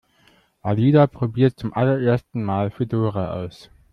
Alida probiert zum allerersten Mal Fedora aus.